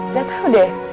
elah tau deh